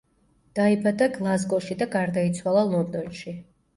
დაიბადა გლაზგოში და გარდაიცვალა ლონდონში.